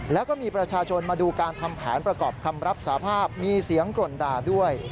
แล้วก็มีประชาชนมาดูการทำแผนประกอบคำรับสาภาพมีเสียงกล่นด่าด้วย